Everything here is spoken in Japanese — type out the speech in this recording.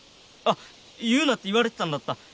あっ言うなって言われてたんだった。